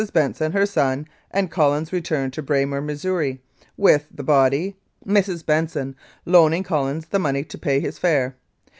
Benson, her son, and Collins returned to Braymer, Mo., with the body, Mrs. Benson loaning Collins the money to pay his fare.